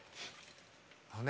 あのね。